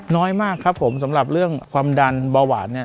น้อยมากสำหรับเรื่องความดันบ่าหวัด